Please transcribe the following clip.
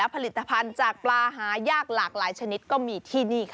ผลิตภัณฑ์จากปลาหายากหลากหลายชนิดก็มีที่นี่ค่ะ